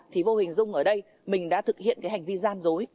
thì vô hình dung ở đây mình đã thực hiện cái hành vi gian dối